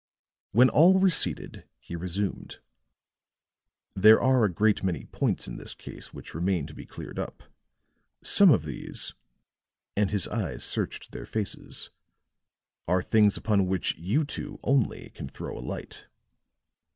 When all were seated, he resumed: "There are a great many points in this case which remain to be cleared up. Some of these," and his eyes searched their faces, "are things upon which you two only can throw a light."